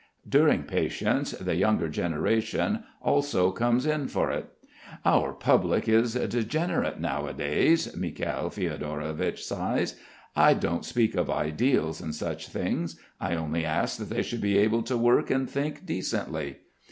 During patience the younger generation also comes in for it. "Our public is degenerate nowadays," Mikhail Fiodorovich sighs. "I don't speak of ideals and such things, I only ask that they should be able to work and think decently.